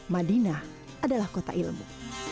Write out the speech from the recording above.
madinah adalah kota ilmu